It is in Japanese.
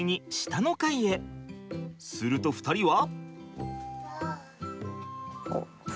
すると２人は。